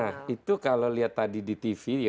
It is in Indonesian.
nah itu kalau lihat tadi di tv